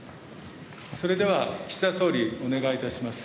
それでは岸田総理、お願いいたします。